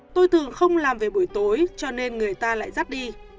tôi thường không làm về buổi tối cho nên người ta lại rắt đi